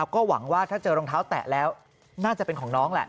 ก็หวังว่าถ้าเจอรองเท้าแตะแล้วน่าจะเป็นของน้องแหละ